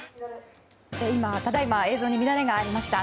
ただいま映像に乱れがありました。